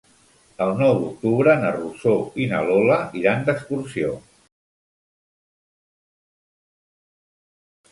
El nou d'octubre na Rosó i na Lola iran d'excursió.